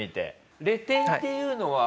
レ点っていうのは？